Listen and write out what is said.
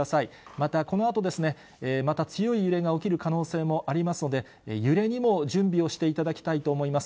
またこのあと、また強い揺れが起きる可能性もありますので、揺れにも準備をしていただきたいと思います。